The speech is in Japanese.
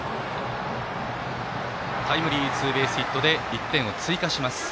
タイムリーツーベースヒットで１点を追加します。